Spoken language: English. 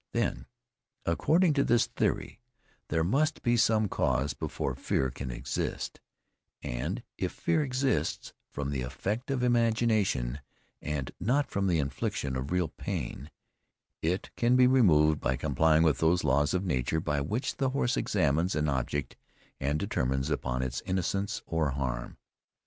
Then, according to this theory, there must be some cause before fear can exist; and, if fear exists from the effect of imagination, and not from the infliction of real pain, it can be removed by complying with those laws of nature by which the horse examines an object, and determines upon its innocence or harm.